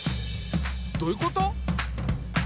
どういうこと？